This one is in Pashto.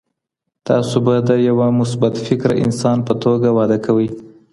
تاسو به د یو مثبت فکره انسان په توګه وده کوئ.